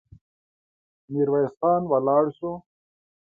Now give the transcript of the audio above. ميرويس خان ولاړ شو.